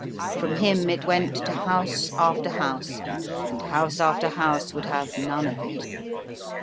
From him it went to house after house, and house after house would have none of it.